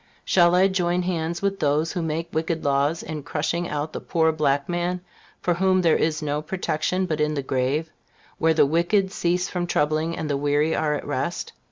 Shall I join hands with those who make wicked laws, in crushing out the poor black man, for whom there is no protection but in the grave, where the wicked cease from troubling, and the weary are at rest?